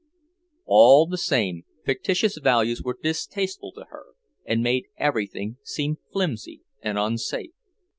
All the same, fictitious values were distasteful to her, and made everything seem flimsy and unsafe.